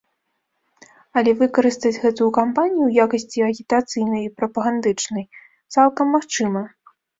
Але выкарыстаць гэтую кампанію ў якасці агітацыйнай і прапагандычнай цалкам магчыма.